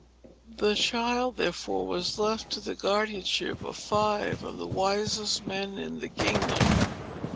The child, therefore, was left to the guardianship of five of the wisest men in the kingdom.